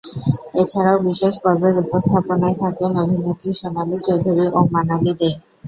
এছাড়াও বিশেষ পর্বের উপস্থাপনায় থাকেন অভিনেত্রী সোনালী চৌধুরী ও মানালি দে।